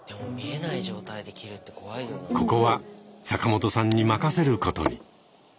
ここは坂本さんに任せることに。